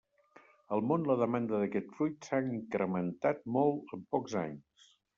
Al món la demanda d'aquest fruit s'ha incrementat molt en pocs anys.